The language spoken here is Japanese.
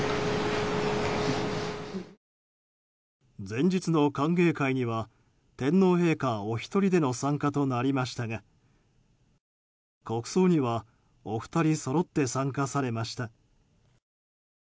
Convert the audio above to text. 前日の歓迎会には天皇陛下お一人での参加となりましたが国葬にはお二人そろって参加されました。